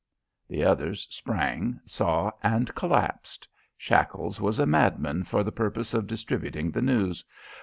The others sprang, saw, and collapsed. Shackles was a madman for the purpose of distributing the news.